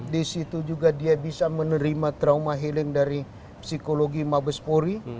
di situ juga dia bisa menerima trauma healing dari psikologi mabespori